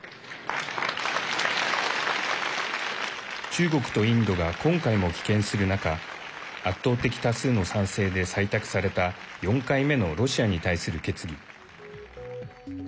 中国とインドが今回も棄権する中圧倒的多数の賛成で採択された４回目のロシアに対する決議。